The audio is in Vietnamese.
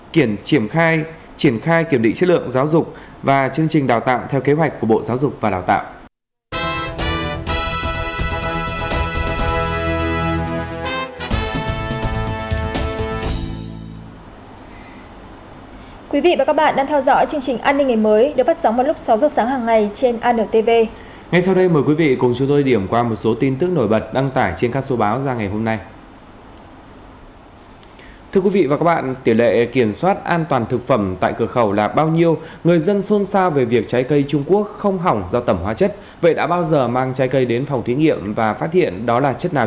triển khai kiểm định chất lượng giáo dục và chương trình đào tạo theo kế hoạch của bộ giáo dục và đào tạo